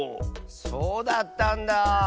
そうだったんだ。